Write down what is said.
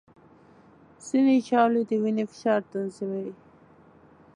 ځینې ژاولې د وینې فشار تنظیموي.